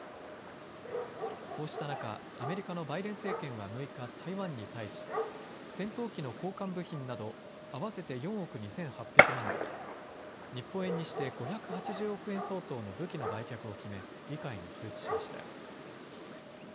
こうした中、アメリカのバイデン政権は６日、台湾に対し戦闘機の交換部品など合わせて４億２８００万ドル、日本円にして５８０億円相当の武器の売却を決め議会に通知しました。